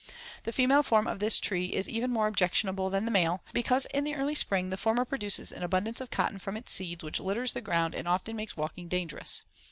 The female form of this tree is even more objectionable than the male, because in the early spring the former produces an abundance of cotton from its seeds which litters the ground and often makes walking dangerous.